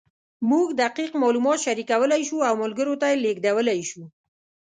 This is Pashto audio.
موږ دقیق معلومات شریکولی شو او ملګرو ته یې لېږدولی شو.